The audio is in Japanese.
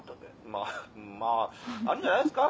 「まあまああるんじゃないですか？」